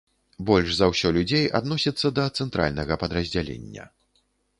Больш за ўсё людзей адносіцца да цэнтральнага падраздзялення.